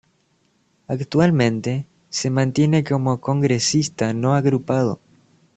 Actualmente, se mantiene como congresista no agrupado.